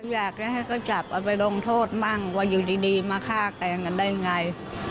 อยากให้เขาจับเอาไปลงโทษมั่งว่าอยู่ดีมาฆ่าแกล้งกันได้ไง